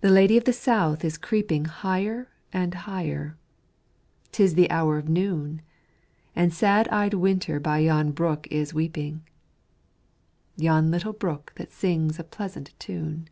the Lady of the South is creeping Higher and higher 'Tis the hour of noon, And sad eyed Winter by yon brook is weeping, Yon little brook that sings a pleasant tune.